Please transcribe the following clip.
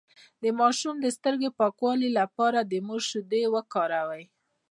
د ماشوم د سترګو د پاکوالي لپاره د مور شیدې وکاروئ